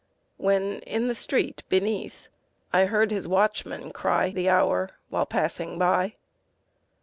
When in the street beneath I heard his watchman cry The hour, while passing by.